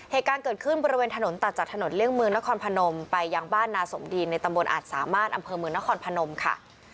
เหตุการณ์เกิดขึ้นบริเวณถนนตัดจากถนนเลี่ยงเมืองนครพนมไปยังบ้านนาสมดีนในตำบลอาจสามารถอำเภอเมืองนครพนมค่ะ